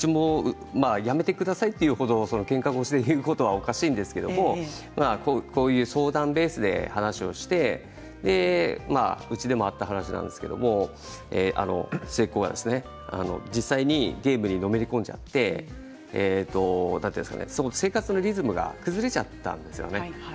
やめてくださいという程けんか腰で言うことはおかしいんですけどこういう相談ベースで話をしてうちでもあった話なんですけど末っ子が実際にゲームにのめり込んでしまって生活のリズムが崩れてしまったんですよね。